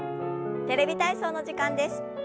「テレビ体操」の時間です。